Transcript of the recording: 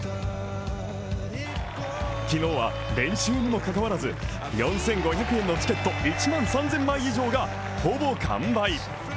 昨日は練習にもかかわらず４５００円のチケット１万３０００枚以上がほぼ完売。